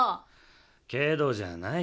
けどじゃない。